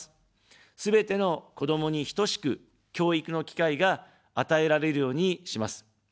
すべての子どもに等しく、教育の機会が与えられるようにします。